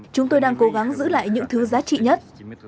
chúng tôi đang cố gắng giữ lại những thứ giá trị nhất